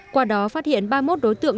qua đó phát hiện ba mươi một đối tượng